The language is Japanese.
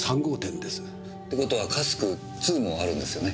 って事は「Ｃａｓｋ」もあるんですよね？